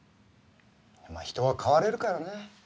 まあ人は変われるからね。